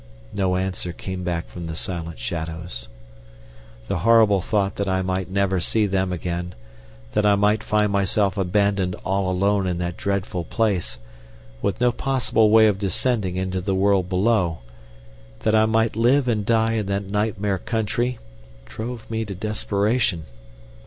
No answer came back from the silent shadows. The horrible thought that I might never see them again, that I might find myself abandoned all alone in that dreadful place, with no possible way of descending into the world below, that I might live and die in that nightmare country, drove me to desperation.